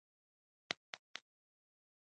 له يوه اوږد دهليزه تېر سو.